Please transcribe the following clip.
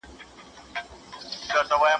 زه مېوې وچولي دي!